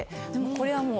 これはもう。